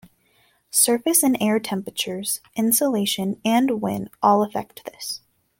Surface and air temperatures, insolation, and wind all affect this.